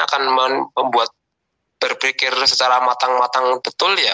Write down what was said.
akan membuat berpikir secara matang matang betul ya